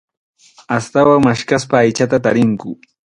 Astawan maskhaspa aychata tarinku.